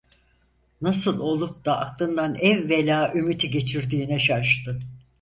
Nasıl olup da aklından evvela Ümit’i geçirdiğine şaştı.